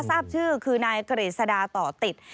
ทราบชื่อคือนายกฤษดาต่อติด